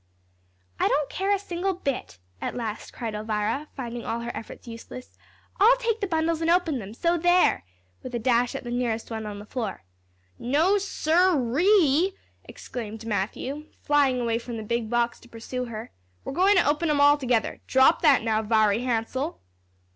"I don't care a single bit," at last cried Elvira, finding all her efforts useless; "I'll take the bundles an' open 'em, so there!" with a dash at the nearest one on the floor. "No sir ee!" exclaimed Matthew, flying away from the big box to pursue her; "we're goin' to open 'em all together. Drop that, now, Viry Hansell!"